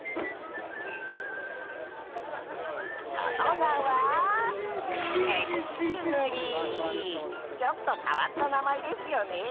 その名はちょっと変わった名前ですよね。